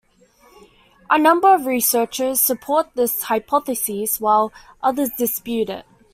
A number of researchers support this hypothesis while others dispute it.